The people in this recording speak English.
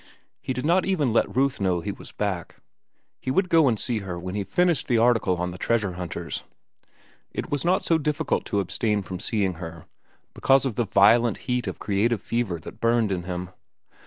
He did not even let Ruth know he was back. He would go and see her when he finished the article on the treasure hunters. It was not so difficult to abstain from seeing her, because of the violent heat of creative fever that burned in him.